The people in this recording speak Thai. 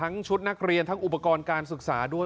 ชุดนักเรียนทั้งอุปกรณ์การศึกษาด้วย